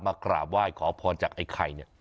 มากราบไหว้ขอพรจากไอ้ไข่